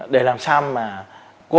để làm sao mà cố gắng không xảy ra một cái vụ